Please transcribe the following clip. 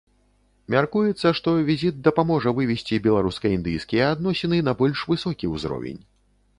Мяркуецца, што візіт дапаможа вывесці беларуска-індыйскія адносіны на больш высокі ўзровень.